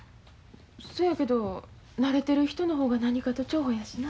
そやけど慣れてる人の方が何かと重宝やしな。